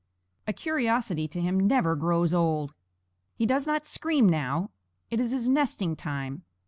A curiosity to him never grows old. He does not scream now; it is his nesting time.